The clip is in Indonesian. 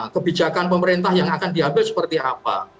kebijakan pemerintah yang akan diambil seperti apa